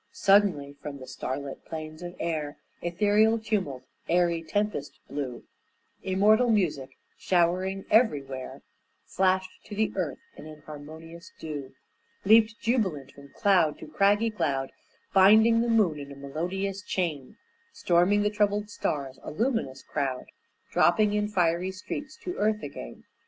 Suddenly from the starlit plains of air Ethereal tumult, airy tempest blew, Immortal music showering everywhere, Flashed to the earth in an harmonious dew, Leaped jubilant from cloud to craggy cloud, Binding the moon in a melodious chain, Storming the troubled stars, a luminous crowd, Dropping in fiery streaks to earth again.